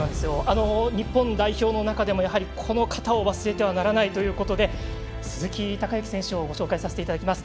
日本代表の中でもこの方を忘れてはならないということで鈴木孝幸選手をご紹介させていただきます。